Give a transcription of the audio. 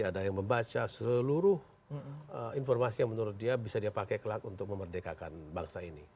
ada yang membaca seluruh informasi yang menurut dia bisa dia pakai kelak untuk memerdekakan bangsa ini